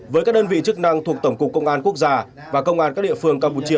với các đơn vị chức năng thuộc tổng cục công an quốc gia và công an các địa phương campuchia